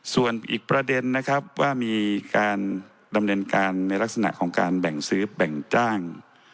ส่วนอีกประเด็นนะครับว่ามีการดำเนินการในลักษณะของการแบ่งซื้อแบ่งจ้าง